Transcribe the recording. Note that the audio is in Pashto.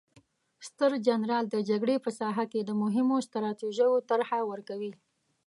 ستر جنرال د جګړې په ساحه کې د مهمو ستراتیژیو طرحه ورکوي.